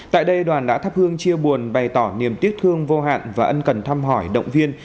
tại đây đoàn đã thắp hương chia buồn bày tỏ niềm tiếc thương vô hạn và ân cần thăm hỏi động viên